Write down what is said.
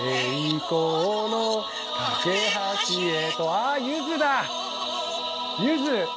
ああゆずだ！